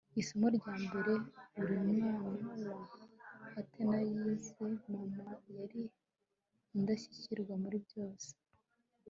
isomo rya mbere buri mwana wa atena yize mama yari indashyikirwa muri byose